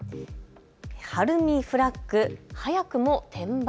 晴海フラッグ早くも転売？